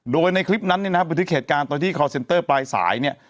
โดยในคลิปนั้นเนี่ยนะครับบันทึกเหตุการณ์ตอนที่คอลเซนเตอร์ปลายสายเนี่ย